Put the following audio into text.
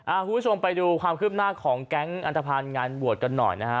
คุณผู้ชมไปดูความคืบหน้าของแก๊งอันตภัณฑ์งานบวชกันหน่อยนะฮะ